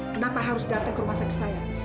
kenapa harus datang ke rumah sakit saya